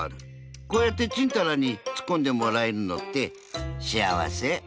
こうやってちんたらにツッコんでもらえるのって幸せ。